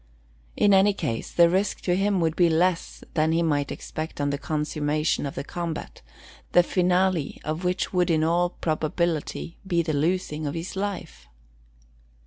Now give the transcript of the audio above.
In any case, the risk to him would be less than that he might expect on the consummation of the combat, the finale of which would in all probability, be the losing of his life.